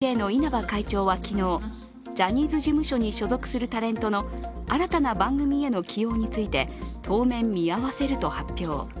一方、性加害問題の余波は年末の恒例番組にもＮＨＫの稲葉会長は昨日、ジャニーズ事務所に所属するタレントの新たな番組への起用について、当面見合わせると発表。